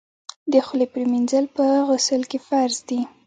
د خولې پریولل په غسل کي فرض دي.